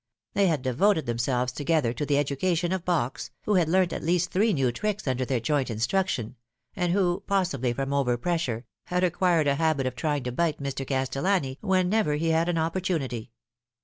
They had devoted themselves together to the education of Box, who had learnt at least three new tricks under their joint instruction, and who, possibly from over pressure, had acquired a habit of trying to bite Mr. Castellani whenever he had an opportunity.